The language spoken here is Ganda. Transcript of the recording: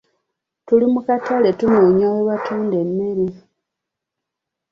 Tuli mu katale tunoonya we batunda mmere.